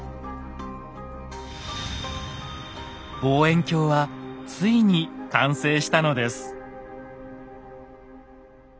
望遠鏡はついに完成したのです。